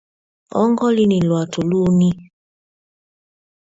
Ɔ́ŋɡɔ́línì lwàtò lúú!ní.